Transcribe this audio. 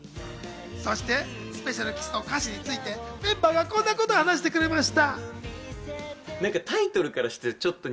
そして『ＳｐｅｃｉａｌＫｉｓｓ』の歌詞について、メンバーがこんなことを話してくれました。